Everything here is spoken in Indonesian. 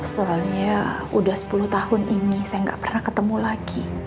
soalnya udah sepuluh tahun ini saya nggak pernah ketemu lagi